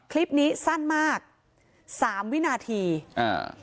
คลิปนี้สั้นมากสามวินาทีอ่า